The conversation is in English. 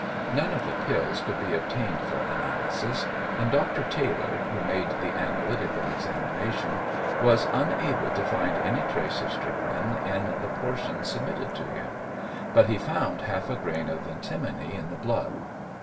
None of the pills could be obtained for analysis, and Dr. Taylor, who made the analytical examination, was unable to find any trace of strychnine in the portions submitted to him, but he found half a grain of antimony in the blood.